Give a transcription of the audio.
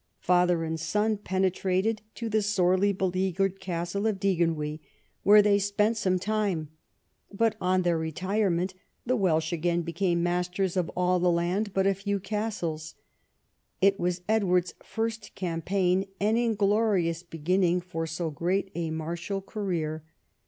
Father and son penetrated to the sorely beleaguered castle of Deganwy, where they spent 22 EDWARD I chap. some time. But on their retirement the "Welsh again became masters of all the land but a few castles. It was Edward's first campaign, an inglorious beginning for so great a martial career.